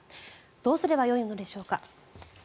どうすればよいのでしょうか。